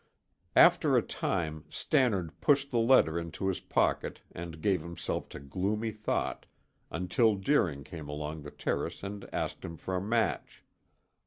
After a time Stannard pushed the letter into his pocket and gave himself to gloomy thought, until Deering came along the terrace and asked him for a match.